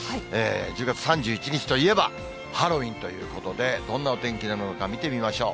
１０月３１日といえば、ハロウィーンということで、どんなお天気なのか、見てみましょう。